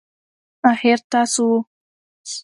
آخر تاسو ولې دا ټول کارونه زما لپاره کوئ.